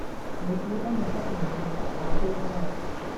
你估真係得你地識打機咩